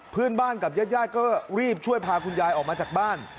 เพื่อนบ้านกับญาติก็รีบช่วยพาคุณยายออกมาจากบ้าน